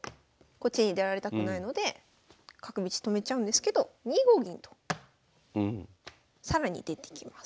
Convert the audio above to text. こっちに出られたくないので角道止めちゃうんですけど２五銀と更に出てきます。